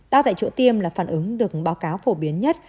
đo tại chỗ tiêm là phản ứng được báo cáo phổ biến nhất